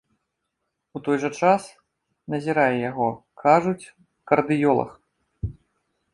У той жа час, назірае яго, кажуць, кардыёлаг.